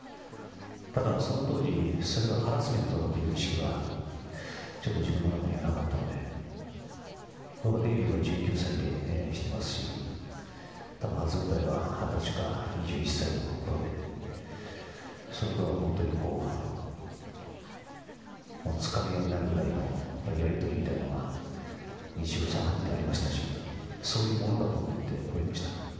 ただ、その当時、それがハラスメントだという意識は、ちょっと自分の中にはなかったので、僕はデビューは１９歳でしてますし、たぶん初舞台は２０歳か２１歳のころで、そのころは本当にこう、もうつかみ合いになるぐらいのやり取りみたいなのは日常茶飯事でありましたし、そういうものだと思っておりました。